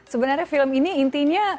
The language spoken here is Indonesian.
sebenarnya film ini intinya